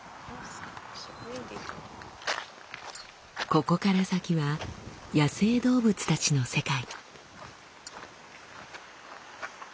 ここから先は野生動物たちの世界。